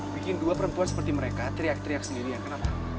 bikin dua perempuan seperti mereka teriak teriak sendiri ya kenapa